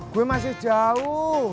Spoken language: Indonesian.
gue masih jauh